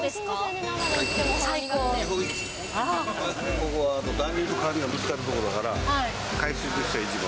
ここは暖流と寒流がぶつかる所だから、海水としては一番。